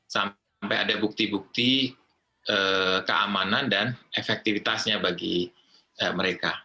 sampai ada bukti bukti keamanan dan efektivitasnya bagi mereka